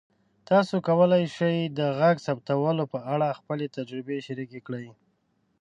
تاسو کولی شئ د غږ ثبتولو په اړه خپلې تجربې شریکې کړئ.